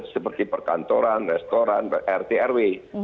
seperti perkantoran restoran rtrw